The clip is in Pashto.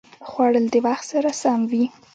خوړل د وخت سره سم وي